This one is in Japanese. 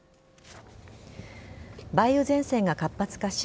梅雨前線が活発化し